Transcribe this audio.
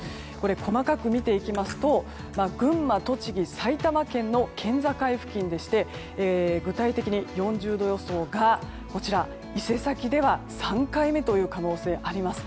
細かく見ていきますと群馬、栃木、埼玉県の県境付近でして具体的に４０度予想が伊勢崎では３回目という可能性があります。